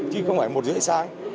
chứ không phải một rưỡi sáng